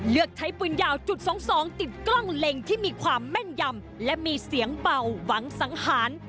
เลือกใช้ปืนยาวจุดสองสองติดกล้องเล็งที่มีความแม่นยำและมีเสียงเบาหวังสังหาร